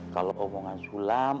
kalau omongan sulam